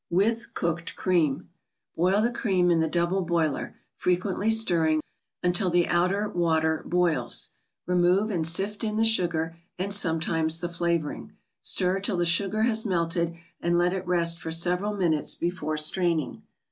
With Cooked Cream. —Boil the cream in the double boiler, frequently stirring, until the outer water boils. Re¬ move and sift in the sugar, and sometimes the flavoring. Stir till the sugar has melted, and let it rest for several minutes before straining.